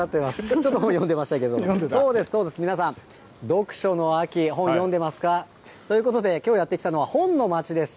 ちょっと本読んでましたけど、そうです、そうです、皆さん、読書の秋、本読んでますか。ということで、きょうやって来たのは、本の町です。